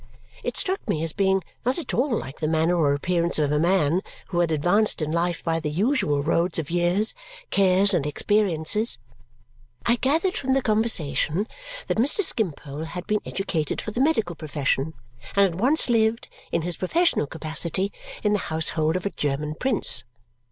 It struck me as being not at all like the manner or appearance of a man who had advanced in life by the usual road of years, cares, and experiences. I gathered from the conversation that Mr. Skimpole had been educated for the medical profession and had once lived, in his professional capacity, in the household of a German prince.